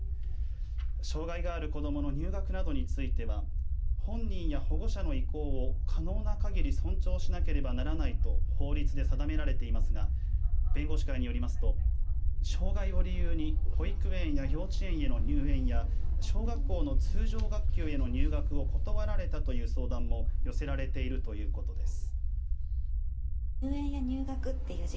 障がいがある子どもの入学などについては本人や保護者の意向を可能なかぎり尊重しなければならないと法律で定められていますが弁護士会によりますと障がいを理由に保育園や幼稚園への入園や小学校の通常学級への入学を断られたという相談も寄せられているということです。